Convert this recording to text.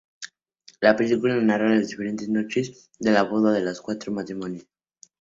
La película narra las diferentes noches de boda de los cuatro matrimonios.